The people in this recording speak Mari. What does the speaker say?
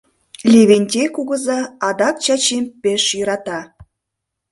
Левентей кугыза адак Чачим пеш йӧрата.